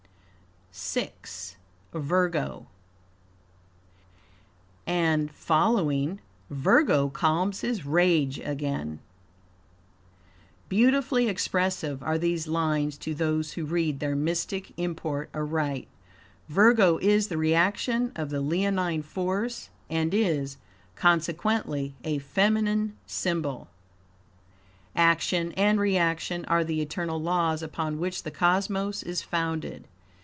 VI. Virgo "And following Virgo calms his rage again." Beautifully expressive are these lines to those who read their mystic import aright. Virgo is the reaction of the leonine force, and is, consequently, a feminine symbol. Action and reaction are the eternal laws upon which the cosmos is founded.